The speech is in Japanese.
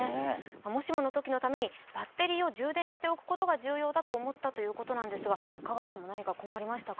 もしものときのためにバッテリーを充電しておくことが重要だと思ったということなんですが香川さんも何か困りましたか？